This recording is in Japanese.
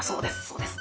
そうです。